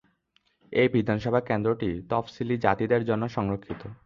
এই বিধানসভা কেন্দ্রটি তফসিলি জাতিদের জন্য সংরক্ষিত।